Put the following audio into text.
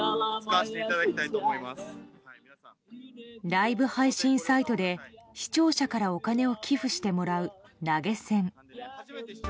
ライブ配信サイトで視聴者からお金を寄付してもらう投げ銭。